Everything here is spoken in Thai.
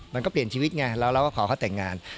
มันก็เปลี่ยนชีวิตไงแล้วเราก็ขอเขาแต่งงาน